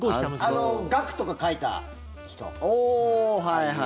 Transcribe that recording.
「岳」とか書いた人。